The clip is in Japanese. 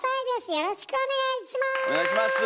よろしくお願いします。